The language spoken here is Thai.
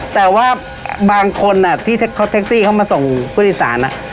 แต่ว่าบางคนอ่ะที่เค้าเท็กซี่เค้ามาส่งกุฎิสารอ่ะ